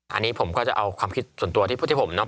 อันนี้ผมก็จะเอาความคิดส่วนตัวที่พูดให้ผมเนาะ